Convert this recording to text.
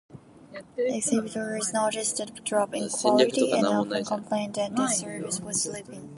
Exhibitors noticed the drop in quality, and often complained that the series was slipping.